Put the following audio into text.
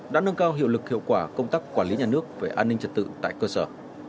đã nâng cao hiệu lực hiệu quả công tác quản lý nhà nước về an ninh trật tự tại cơ sở